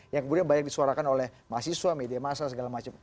yang kemudian banyak disuarakan oleh mahasiswa media masa segala macam